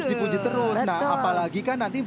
harus dipuji terus nah apalagi kan nanti